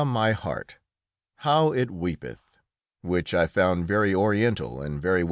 my heart! how it weepeth!" which I found very Oriental and very well put.